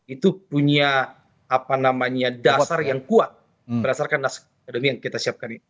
itu punya dasar yang kuat berdasarkan naskah akademi yang kita siapkan ini